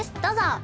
どうぞ！